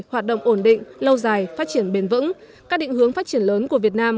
hoạt động ổn định lâu dài phát triển bền vững các định hướng phát triển lớn của việt nam